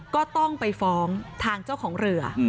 ก็ต้องไปฟ้องทางเจ้าของเรือ